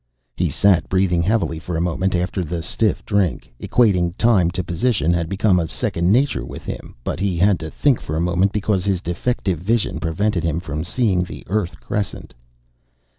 He sat breathing heavily for a moment after the stiff drink. Equating time to position had become second nature with him, but he had to think for a moment because his defective vision prevented him from seeing the Earth crescent.